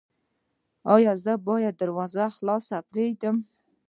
ایا زه باید دروازه خلاصه پریږدم؟